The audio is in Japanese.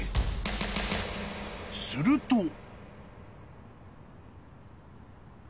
［すると］